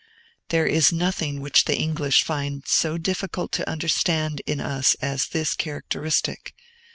There is nothing which the English find it so difficult to understand in us as this characteristic.